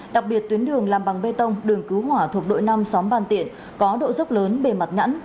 đặc biệt tuyến đường làm bằng bê tông đường cứu hỏa thuộc đội năm xóm ban tiện có độ dốc lớn bề mặt nhẵn